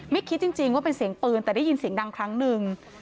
คิดจริงว่าเป็นเสียงปืนแต่ได้ยินเสียงดังครั้งหนึ่ง